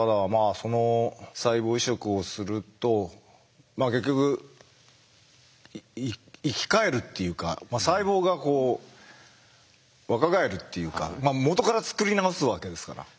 その細胞移植をすると結局生き返るっていうか細胞がこう若返るっていうかもとから作り直すわけですから。